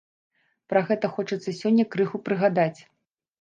Пра гэта хочацца сёння крыху прыгадаць.